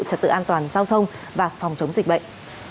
trật tự an toàn giao thông và phòng chống dịch bệnh